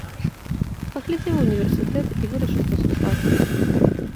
Паглядзеў універсітэт і вырашыў паступаць.